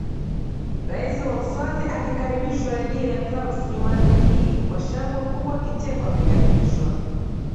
Rais wa Uswazi akikaribishwa redio ya Clouds Jumanne hii kwa shangwe kubwa Kicheko amekaribishwa